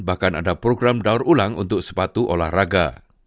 bahkan ada program daur ulang untuk sepatu olahraga